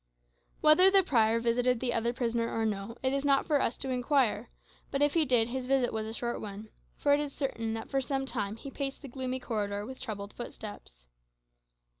Whether the prior visited the other prisoner or no, it is not for us to inquire; but if he did, his visit was a short one; for it is certain that for some time he paced the gloomy corridor with troubled footsteps.